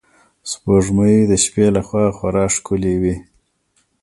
سپوږمۍ د شپې له خوا خورا ښکلی وي